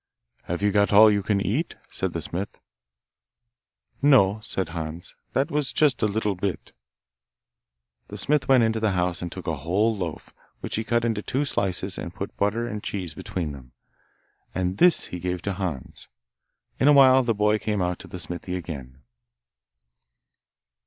'Have you got all you can eat?' said the smith. 'No,' said Hans, 'that was just a little bit.' The smith went into the house and took a whole loaf, which he cut into two slices and put butter and cheese between them, and this he gave to Hans. In a while the boy came out to the smithy again.